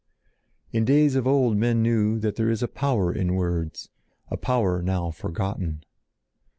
In days of old men knew that there is a power in words, a power now forgotten.